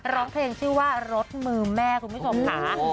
ร้องเพลงชื่อว่ารสมือแม่คุณพี่สมค้า